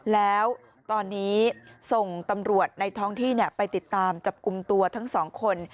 แล้วตอนนี้ส่งตำรวจในท้องที่ไปติดตามจับกลุ่มตัวทั้งสองคน